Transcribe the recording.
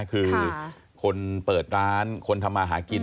คือคนเปิดร้านคนทำมาหากิน